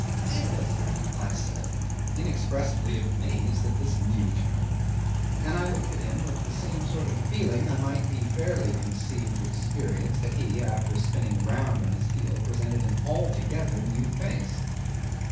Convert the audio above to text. '"Did it?" I said, inexpressibly amazed at this new turn, and I looked at him with the same sort of feeling I might be fairly conceived to experience had he, after spinning round on his heel, presented an altogether new face.